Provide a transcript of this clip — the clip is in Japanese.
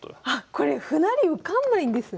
これ歩成り受かんないんですね！